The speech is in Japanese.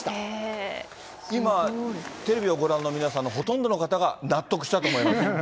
今、テレビをご覧の皆さんのほとんどの方が納得したと思います。